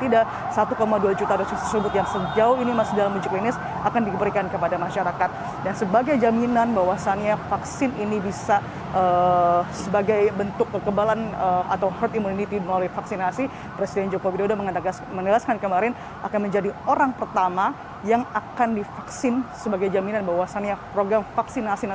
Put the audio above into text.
di mana satu dua juta dosis sudah masuk ke indonesia yang merupakan dari perusahaan farmasi cina sinovac dan kemarin yang telah tiba di indonesia